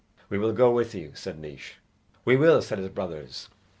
"We will go with you," said Naois. "We will," said his brothers.